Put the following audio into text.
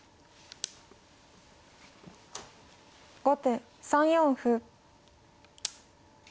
後手３四歩。